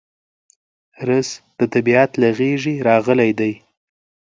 رس د طبیعت له غېږې راغلی دی